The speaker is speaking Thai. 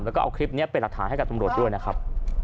แล้วก็เอาคลิปนี้เป็นหลักฐานให้กับตำรวจด้วยนะครับ